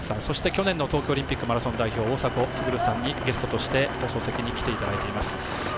そして去年の東京オリンピックマラソン代表、大迫傑さんにゲストとして放送席に来ていただいています。